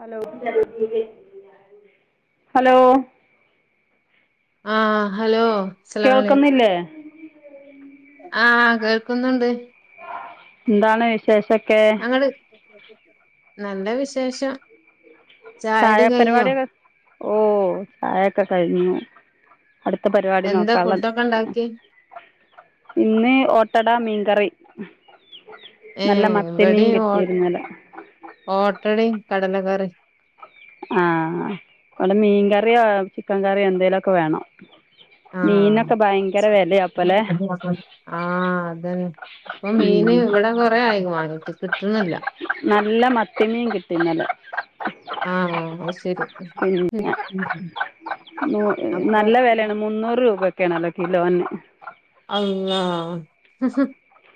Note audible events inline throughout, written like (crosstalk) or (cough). Hello hello ആ hello അസ്സലാമു അലൈക്കും കേൾക്കുന്നില്ലേ ആ കേൾക്കുന്നുണ്ട് എന്താണ് വിശേഷ ങ്ങൾ നല്ല വിശേഷം ചായുടി കഴിഞ്ഞോ ചായപരിപാടിയൊക്കെ ഓ ചായ ഒക്കെ കഴിഞ്ഞു അടുത്ത പരിപാടി എന്താ നോക്കാനുള്ള ഫുഡൊക്കെ ഉണ്ടാക്കി ഇന്ന് ഒ ടാട മീൻ കറി ആഹ് ഇവിടെ ഓ കിട്ടിയിരുന്നലെ ഓട്ടടയും കടലക്കറി ആഹ് ഇവിടെ മീൻ കറിയോ ചിക്കൻ കറിയോ എന്തേങ്കലുമൊക്കെ വേണം ആഹ് മീനൊക്കെ ഭയങ്കര വിലയാപ്പല്ലേ ആഹ് അതന്നെ ഇപ്പൊ മീന് ഉം ഇവിടെ കൊറെ ആയി വാങ്ങിച്ചിട്ട് നല്ല മത്തിമീൻ കിട്ടി ഇന്നലെ ആഹ് അത് ശരി (unintelligible) പിന്ന ഉം. അപ്പൊ നല്ല വെലയാണ് മുന്നൂറ് രൂപ ക്കേണ് കിലോന്ന് അള്ളാ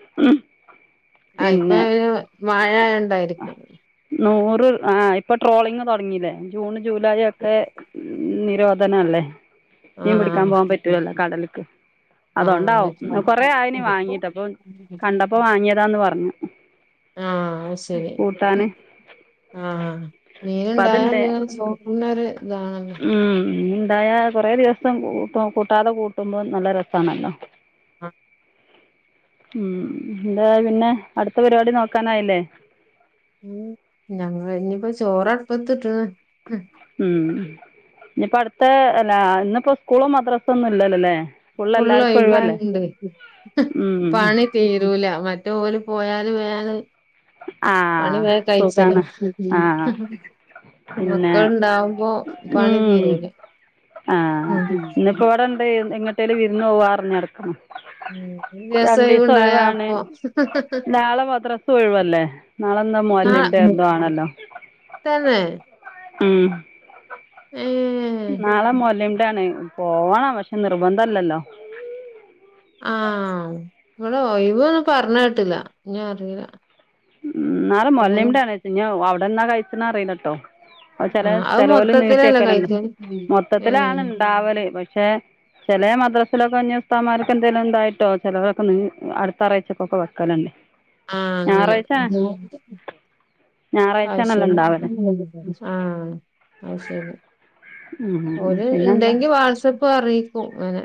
(unintelligible) (unintelligible) ആഹ് ഇപ്പൊ പിന്നെ ഇവിടെ മഴ ആയോണ്ടായിരിക്കും നൂറ് ആ ഇപ്പൊ ട്രോളിങ്ങ് തുടങ്ങില്ലേ ജൂൺ ജൂലൈ ഒക്കെ നിരോ ധനം അല്ലെ മീൻ ആഹ് പിടിക്കാൻ പോവാൻ പറ്റുല്ലാ കടലിൽ ക്കെ ആഹ് അതൊണ്ടാവും കൊറേ ആഹ് ആയനി വാങ്ങീട്ട് അപ്പൊ അത് കണ്ടപ്പോ വാങ്ങിയതാന്ന് പറഞ്ഞു (unintelligible) ശരി കൂട്ടാന് ആഹ് അപ്പൊ മീന്ണ്ടായാ അതുണ്ട് പിന്നൊരു (unintelligible) ഉം ഉം എന്തായാ കുറെേ ദിവസം കൂട്ടാതെ കൂട്ടുമ്പോം നല്ല രസാണല്ലോ ആഹ് ഉം എന്താ പിന്നെ അടുത്ത പരിപാടി നോക്കാനായില്ലേ ഉം ഞങ്ങ ഇനിപ്പോ ചോറടുപ്പത്തി ഇട്ട്ണ് ഉം ഇനിയിപ്പോ അടുത്ത അല്ലാ ഇന്നിപ്പോ സ്കൂളോ മദ്രാസോ ഒന്നും ഇല്ലല്ലോല്ലേ ഉള്ളൊയ്വായോണ്ട് ഉം പണി തീരൂല മറ്റേ ഓല് പോയാല് വേങ്ങട്ട് ആഹ് സുഖാണ് ആഹ് പിന്നെ മക്കളുണ്ടാവുമ്പോ പണി ഉം തീരൂല ആഹ് ഉം ഇന്നപ്പോ ഇവിടെണ്ട് ട്ടേലും വിരുന്ന് പോവാ ർഞ്ഞടുക്ക്ണ് ദിവസൊഴിവ്ണ്ടായ അപ്പൊ നാളെന്താ മുഅല്ലിം ഡേ ആഹ് എന്തോ ആണല്ലോ തന്നെ ഉം ഏഹ് നാളെ മുഅല്ലിം ഡേ ആണ് പോവണം പക്ഷെ നിർബന്ധല്ലല്ലോ ആഹ് ഇവിടെ ഒഴിവൊന്നും പറഞ്ഞ് കേട്ടില്ല ഞ്ഞ്റിയില്ല ഉ നാല മിമടാണച്ചവി അ എന്നാ കഴിച്ച അറിയുന്നട്ടോ അപ്പ ചെല ആഹ് അത് ചേലോൽ മൊത്തത്തിലല്ലേ നീട്ടിയക്കെലുണ്ട് കഴിക്കല് മൊത്തത്തില ഏഹ് ആണ് ണ്ടാവല്ല് പക്ഷെ ചില മദ്രാസിലൊക്കെ ഉസ്താദ്മാർക് എന്തെങ്കിലും ഉണ്ടായിട്ടോ ചിലരൊക്കെ അടുത്ത ആറാഴ്ചക്കൊക്കെ വെക്കലുണ്ട് ആഹ അങ്ങനെ ഞായറാഴ്ച ആ ശ ഞായറാഴ്ചയാണല്ലോ ഉണ്ടാവൽ ആഹ ആ ശരി ഓര് പിന്നെന്താ ഉണ്ടെങ്കി വാട്സആപ്പ് ക്കും അങ്ങനെ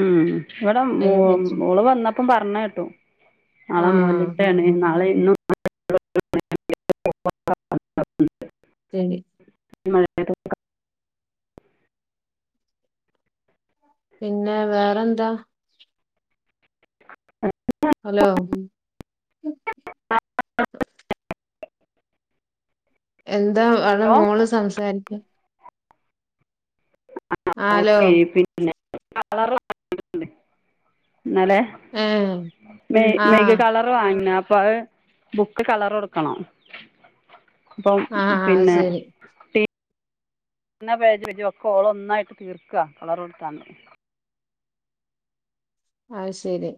ആഹ ഇവിടെ മ അയിനെ പറ്റി മോള് വന്നപ്പം പറഞ്ഞ കേട്ടോ നാളെ ആഹ് മോലിട്ടാണ് നാളെ ഇന്നും ശരി പിന്നെ വേറെന്താ അ ഹലോ എന്താ അവിടെ മോള് സംസാരിരിക്ക ആഹ് ആ ഹലോ പിന്നെ കള എന്നാലേ ഏഹ് മ മെയക്ക് ആഹ് കളർ വാങ്ങന അപ്പൊ ബുക്ക് കളർ കൊടുക്കണംോ അപ്പം ആഹ് അത് പിന്നെ ശരി എന്നന്ന പേജ് വജ വക്ക ഓള ഒന്നായിട്ട് തീർക്കുക കളർ കൊടുത്താണ്ട് അ ശരി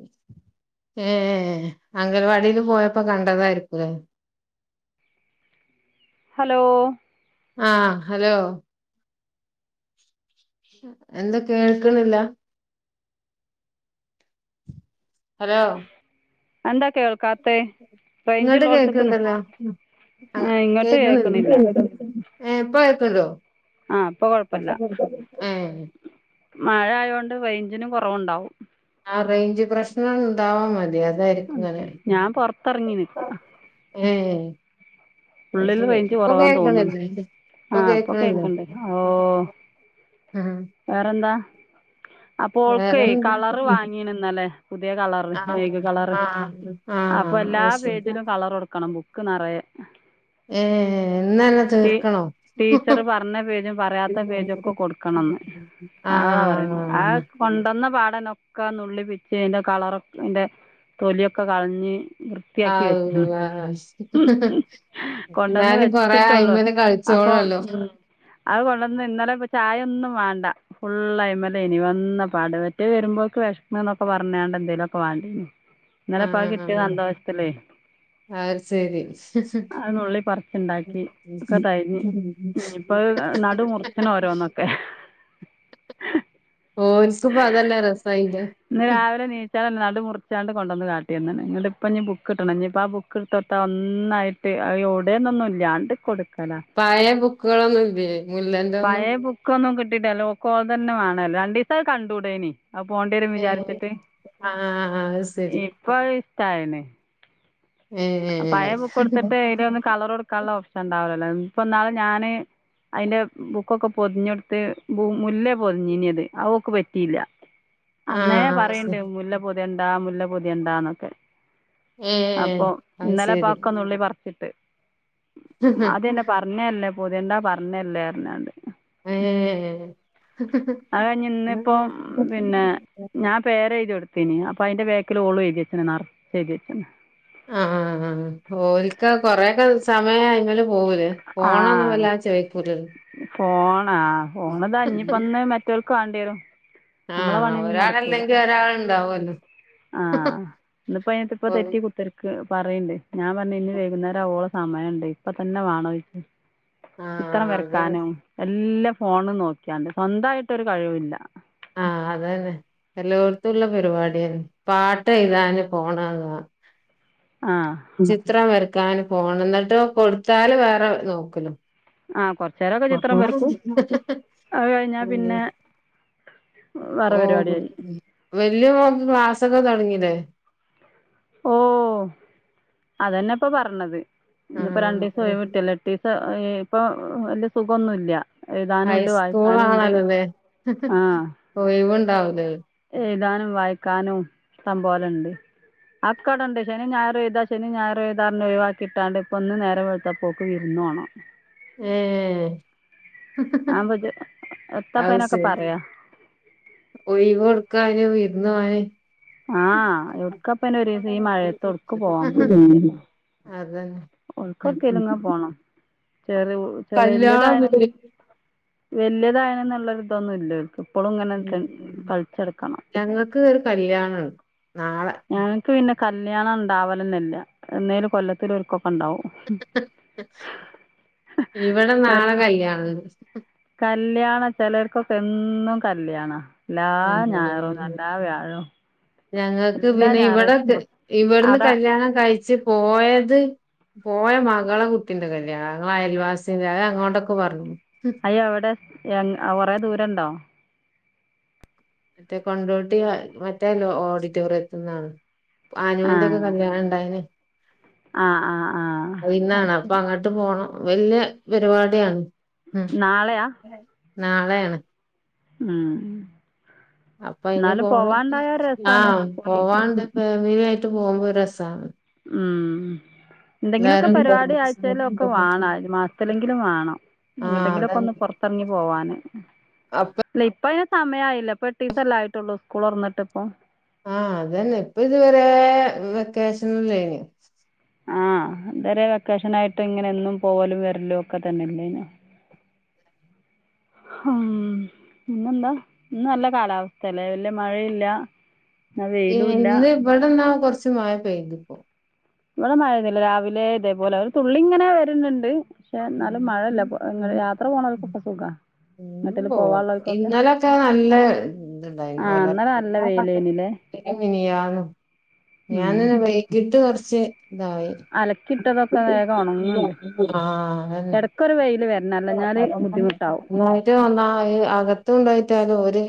ഏർ അംഗൽവാടിൽ പോയപ്പോ കണ്ടതായിരിക്കൂലേ ഹലോ ആഹ ഹലോ എന്താ കേൾക്കണില്ല ഹലോ എന്താ കേൾ- ഇങ്ങോട്ട് കേക്കണ്ടല്ലോ ഏഹ് ഇങ്ങോട്ട് കേൾക്കണില്ല കേക്കണില്ലേ ഇപ്പ കേക്കണ്ടോ ആ ഇപ്പൊ കൊഴപ്പല്ല എ മഴ ആയതോണ്ട് റെയ്ഞ്ചിനും കുറവുണ്ടാവും ആ റേഞ്ച് പ്രശ്നങ്ങനമുണ്ടാവമതി അ- ഉ ഞാൻ പൊറത്തിറങ്ങി നിക്ക ഏ അത് ഉള്ളില് ശരി റെയ്ഞ്ച് ഇപ്പൊ കുറവാന്ന് തോന്നണ് കേൾക്കണില്ലേ ഇപ്പൊ ആഹ് അപ്പൊ കേൾക്കണില്ലേ കേക്കണ്ട് ഓ ആഹ് വേറെന്താ അപ്പൊ ഓൾക്കേ വേറെന്താ കളർ വാങ്ങീണന്നലെ പുതിയ കളറ് ആഹ് മേഗ കളർ ആഹ് അപ്പൊ ആഹ് എല്ലാ അത് ശരി പേജിലും കളർ കൊടുക്കണം ബുക്ക് നിറയെ എ എ ഏ ഇന്നന്നെ തീർക്കണോ ടീച്ചർ പറഞ്ഞ പേജും പറയാത്ത പേജും ഒക്കെ കൊടുക്കണംന്ന് അതാണോ പറയേ ആ ആഹ് കൊണ്ടന്ന പാടനൊക്കെ നു- നുള്ളിപ്പിച്ചി അതിന്റെ കളർ അന്റെ തൊലിയൊക്കെ കളഞ്ഞ് ആ വൃത്തിയാക്കി വെച്ചു കൊണ്ടുവന്ന് ഞാനും കു- മമ്മ അയി വെച്ചിട്ടുള്ളൂ മേലെ അപ്പോൾ കളിച്ചോളല്ലോ അത് കൊണ്ടന്ന് ഇന്നലെ ഇപ്പ ചായ ഒന്നും വേണ്ട ഫുള്ള് അയി മേലെ ആയിന് ഇനി വന്ന പാടേ മറ്റേ വരുമ്പോഴേക്ക് വിഷക്കണ് എന്നൊക്കെ പറഞ്ഞണ്ട് എന്തേലുമൊക്കെ വേണ്ടി ഇന്നലെപ്പ അത് കിട്ടിയ ആഹ് സന്തോഷത്തിേലേ അത് ശരി അത് നുള്ളി പറച്ചുണ്ടാ ഒക്കെകഴിഞ്ഞ് ഇപ്പൊ നടു മുറിച്ചണ് ഓരോന്നൊക്കെ ഓർക്ക് ഇപ്പ അതല്ലേ രസായില്ലേ ഇന്ന് രാവിലെ എണീച്ചാൽ നടു മുറിച്ചാണ്ട് കൊണ്ടുവന്ന് കാട്ടി എന്ന് എന്നിട്ട് ഇപ്പം നി ബുക്ക്കിട്ടണം ഇനി ഇപ്പോം ആ ബുക്ക് എടുത്തൊടുത്ത ഒന്നായിട്ട് ഇവിടെയന്നൊന്നും ഇല്ലാണ്ട് കൊടു പഴയ ബുക്കുകളൊന്നും ഇല്ലേ മുല്ലന്റെ ഒന്നും (unintelligible) ഓക്ക് ഓളത് തന്നെ വേണല്ലോ രണ്ടി (unintelligible) കണ്ടുടേനി ആ പോണ്ടി വരും ഏഹ് വിചാരിച്ചിട്ട് ആഹ് അത് ശരി ഇപ്പൊ (unintelligible) താഴെന്നെ പഴയ ഏഹ് ബുക്ക്‌ കൊടുത്തിട്ട് അതില് ഒന്നും കളർ കൊടുക്കാനുള്ള ഓപ്ഷൻ ഉണ്ടാവൂലല്ലോ ഇപ്പൊ ഇന്നാള് ഞാന് അതിന്റെ ബുക്കൊക്കെ പൊതിഞ്ഞെടുത്ത് മു മുല്ലേ പൊതിഞ്ഞീനത് അവക്ക് പറ്റിയില്ല അന്നേ ആഹ് അത് പറയണ്ട് ശരി മുല്ലപൊ തിയണ്ടാ മുല്ല പൊതിയണ്ടാന്നൊക്കെ എ എ ഇന്നലെപ്പ അതൊക്കെ നുള്ളി പറ ഇട്ട് അതെന്നെ പറഞ്ഞയല്ലേ പൊതിയണ്ടാ പറഞ്ഞല്ലോ ഇരഞ്ഞാണ്ട് ഏഹ് അത് കയിഞ്ഞ് ഇന്നിപ്പോ പിന്നെ ഞാൻ പേര് എഴുതി എടു പിന്നെ അപ്പൊ അയ്ന്റെ ബേക്ക്ൽ ഓളും എഴുതി വെച്ചനു നെറച്ചു എഴുതി വെച്ചിന് ആഹ് ഓൽക് കൊറെയൊക്കെ സമയായാലും പൂവൂല ആ ഫോണൊന്നും വല്ലാതെ ചോയ്ക്കുല ഫോൺ ആഹ് ഫോൺ ഇതാ ഇനിപ്പോ ഇന്ന് മറ്റോൽക്ക് വേണ്ടി വരും അമ്മളെ ആഹ് പണിയൊന്നും നടക്കൂല ഒരാളല്ലെങ്കി ഒരാള്ണ്ടാവല്ലോ ആഹ് ഇന്നിപ്പോ അയ്ന് ഓല് തെറ്റി കുത്തിരക്ക്‌ പറയ്ണ്ട് ഞാൻ പറഞ്ഞ് നീ വൈകുന്നേരം ആവോള സമയണ്ട് ഇപ്പത്തന്നെ വാണോ ഒരിക്ക് ത്രം ആഹ് അതന്നെ വരക്കാനും എല്ല ഫോൺ നോക്കിയാണ്ട് സ്വന്തായിട്ട് ഒരു കഴിവുല്ല ആഹ് അതന്നെ എല്ലോട്ത്തുള്ള പരിപാടിയന്നെ പാട്ട് എയ്താന് ഫോണാങ്ങ ആ ചിത്രം വര (unintelligible) ക്കൻ ഫോൺ ന്നിട്ടോ കൊടുത്താല് വേറെ നോക്കലും (inaudible) ചിത്രം വരയ്ക്കും അത് കഴിഞ്ഞാൽ പിന്നെ വേറെ ഓ പരിപാടിയായി (inaudible) സൊക്കെ തൊടങ്ങീലെ ഓ അതന്നെപ്പൊ പറഞ്ഞത് ഇന്നിപ്പൊ ആഹ് രണ്ടീസം ഒയിവ് കിട്ട്യല്ലോ എട്ടീസം ഇപ്പൊ വല്യ സുഗൊന്നുല്ല ഹൈസ്കൂൾ ആണല്ലോെലെ ആ ഒയിവ്ണ്ടാവൂലേ എയ്താനും വായിക്കാനും ഇഷ്ടംപോലെണ്ട് അകൗടെണ്ട് ശനി ഞായറു എയ്താ ശനി ഞായറു എയ്ത പറഞ്ഞ് ഒഴിവാക്കിട്ടാണ്ട് ഇപ്പൊ ന്ന് നേരം വെള്ത്തപ്പോക്ക് വിരുന്നോണം ഏഹ് ആവുമ്പോ ഇജ്ജ് എത്താപ്പ അത് അയിനൊക്കെ സെരി പറയാ ഒയിവ് കൊടുക്കാനും (inaudible) ആഹ് എവ്ടുക്കപ്പല്ലീ ഒരീസം ഈ മഴയത്ത് യെവ്ട്ക്കും പോവാൻ പോവാന് പൂതില്ലല്ലോ അതന്നെ ഉം (unintelligible) പോണം കല്യാണം ചെറിയ ഒന്നുമില്ല. (unintelligible) (unintelligible) ഞങ്ങക്ക് ഒര് കല്യാണം (inaudible) കല്യാണം ണ്ടാവലെന്നെല്ല എന്നേലും കൊല്ലത്തിലൊക്കെ (inaudible) ഇവടെ നാളെ കല്യാണണ്ട്. കല്ല്യാണ ചിലർക്കൊക്കെ എന്നും കല്യാണ എല്ലാ ആ ഞങ്ങക്ക് ഞായറും പിന്നെ എല്ലാ വ്യാഴവും ഞങ്ങക്ക് എല്ലാ പിന്നെ ഇവടെ ഞായറാഴ്ച ഇവ്ട്ന്ന് അവിടെ കല്യാണം കഴിച്ച് പോയത് പോയ മകളെ കുട്ടീന്റെ കല്യാണം ഞങ്ങളെ അയൽവാസിന്റെ അത് അങ്ങളോടൊക്കെ പറഞ്ഞുക്കുണു. അയ്യോ അവടെ എങ്ങ കൊറേ ദൂരണ്ടോ? മറ്റേ കൊണ്ടോട്ടി ഭാ മറ്റേ ഓഡിറ്റോറിയത്ത്ന്നാണ് ആനൂന്റൊക്കെ കല്യാണണ്ടായിനെ ആഹ് ആഹ് ആഹ് അത് ശരി വല്യേപരിപാടിയാണ് നാളെയാ നാളെയാണ് ഊം അപ്പൊ അയിന് പോണം ഒരു രസമാണ് ആഹ് പോയി പോവാണ്ട്പ്പ (inaudible) പോകുമ്പോര് രസമാണ് ഉം എന്തെങ്കിലൊക്കെ എല്ലാരും പരിപാടി ആയ്ചേലൊക്കെ വാണം മാസത്തിലെങ്കിലും വാണം ആഹ് എങ്ങട്ടെങ്കിലൊക്കൊന്ന് അതന്നെ പൊറത്തെറങ്ങി പോവാന് അപ്പൊ ഇല്ല ഇപ്പ അ സമയായില്ല ഇപ്പൊ ടീസല്ലയിട്ടുള്ളു സ്കൂളൊർന്ന്ട്ട് ഇപ്പൊ ആഹ് അതന്നെ ഇപ്പൊ ഇതുവരെ വെക്കേഷനല്ലേയ്നു. ആഹ് ഇതരെ വെക്കേഷനായിട്ട്ങ്ങനെന്നും പോവലും വരലും ഒക്കെ തന്നെയ്ന്നോ ഹൂം ഇന്നെന്താ ഇന്നല്ല കാലാവസ്തല്ലേ വല്ല്യേ മയീല്ല ഏ ഇന്ന് ബടന്നാ കൊറ് ച്ച് മയ പെയ്ത്പ്പോ ഇവടെ മയെന്നുല്ല രാവിലേതേപോലെ ഓരോ തുള്ളിങ്ങനെ വര്ന്ന്ണ്ട് (inaudible) പോണവർക്കൊക്കെ സുഖാ എങ്ങട്ടേലും പോവാ പോവാനുള്ളവർക്കൊക്കെ ഇന്നലൊക്കെ നല്ല ത് ണ്ടായിരുന്നു ആഹ് ഇന്നലെ ഓലർച്ച നല്ല വെയിലേനില്ലേ പിന്നെ മിനിയാന്നും ഉം മിനിയാന്ന് വൈകിട്ട് കൊറ ച്ച് തായേര്ന്നു അലക്കിയിട്ടതൊക്കെ വേഗം ഉണങ്ങുന്നുണ്ട് ആഹ് ഇടക്കൊരു വെയില് വരണം അല്ലഞ്ഞാല് ബുദ്ധിമുട്ടാവും ഒണങ്ങായിട്ട് അകത്തും ട്ടാലും ഓര്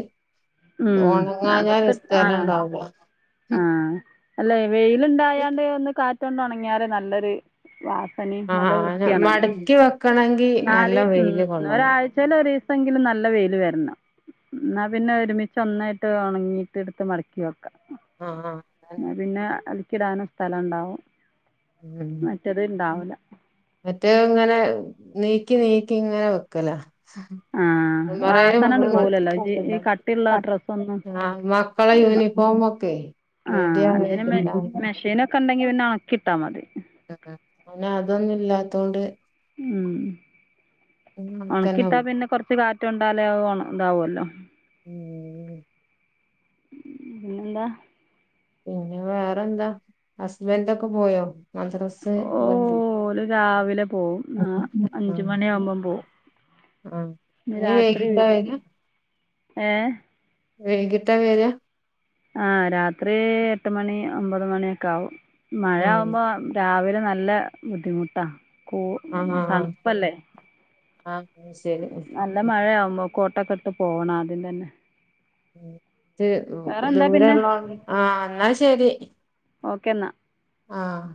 ഉം ഒണങ്ങാഞ്ഞാല് അകത്ത് സ്ഥലണ്ടാവൂല അല്ലെയ് വെയ്ല്ണ്ടായാണ്ട് ഒന്ന് കാ റ്റൊണ്ട് ഉണങ്യാല് നല്ലൊരു വ പനി നല്ല ആഹ് വൃത്യാണല്ലോ മടക്കി വെക്കണെങ്കി നല്ല നാല് ഊം വെയില് കൊള്ളണം ഒരാഴ്ചെയ്ലൊരീസ ങ്കിലും നല്ല വെയിൽ വരണം എന്ന പിന്നെ ഒരുമി ച്ചൊന്നായിട്ട് ഉണങ്ങീട്ട് ഇട്ത്ത് മടക്കിവെക്കാ ആഹ് ആഹ് അതാണ്. ന്നാ പിന്നെ അട്ക് ഇടാനുംസ്ഥലം ഉണ്ടാവും മറ്റേത് ഉണ്ടാവൂല മറ്റേത്ങ്ങെനെ നീ (unintelligible) ആഹ് വാസനങ്ങണ്ട് പോവൂലല്ലോ ഈ കട്ടിയുള്ള ഡ്രസ്സ് ഒന്നും ആഹ് മക്കളെ യൂണിഫോമൊക്കെ ആ റെഡി അല്ലെ ആവേക്കില്ല മെഷീനൊക്കെ ഉണ്ടെങ്കി പിന്നെ ഒണക്കി ഇട്ടാ മതി ഉം അനെ അതൊന്നുല്ലാത്തോണ്ട് ഉം കണക്കന്നെ ഉണക്കിട്ടാ പിന്നെ കൊറച്ച് കാറ്റുണ്ട് തലേ പോവുണ്ടവുല്ലോ ഉം പിന്നെന്താ പിന്നെ വേറെന്താ ഹസ്ബൻഡൊക്കെ പോയോ മദ്രസേ ഓ പോയിണ്ട് ഓല് രാവിലെ പോവും ആ അഞ്ച് മണിയാവുമ്പം പോവും ഇനി വൈകീട്ടായി കൈഞ്ഞാ ഏഹ് വൈകിട്ടാ വെരാ ആ രാത്രി എട്ട് മണി ഒമ്പത് മണിയൊക്കാവും മഴ ആഹ് ആവുംമ്പോ രാവിലെ നല്ല ബുദ്ധിമുട്ടാ കൂ ആഹ് ആഹ് തണുപ്പല്ലേ ആഹ് ശരി നല്ല മഴയാവും കോട്ട്ക്ക്ട്ട് പോണം ആദിന്റന്നെ ഉം പിന്നെ ദൂരുള്ള ആ എന്നാ ശെ ശെരി ഓക്കെ എന്നാ ആഹ്